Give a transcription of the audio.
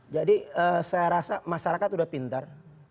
jadi saya rasa masyarakat sudah pintar